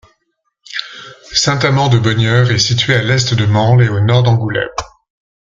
Saint-Amant-de-Bonnieure est située à à l'est de Mansle et au nord d'Angoulême.